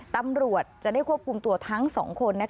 ตำรวจจะได้ควบคุมตัวทั้ง๒คน